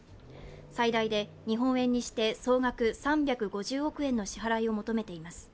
最大で日本円にして総額３５０億円の支払いを求めています。